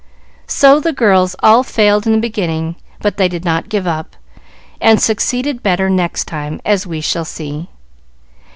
So the girls all failed in the beginning; but they did not give up, and succeeded better next time, as we shall see.